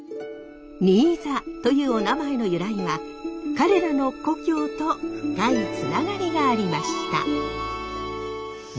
新座というおなまえの由来は彼らの故郷と深いつながりがありました。